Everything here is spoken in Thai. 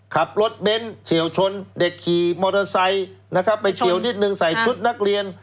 ขับรถเบ้นเฉียวชนเด็กขี่มอเตอร์ไซค์นะครับไปเฉียวนิดนึงใส่ชุดนักเรียน